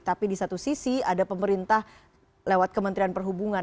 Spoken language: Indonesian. tapi di satu sisi ada pemerintah lewat kementerian perhubungan